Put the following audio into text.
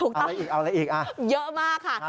เอาอะไรอีกเอาอะไรอีกอ่ะเยอะมากค่ะ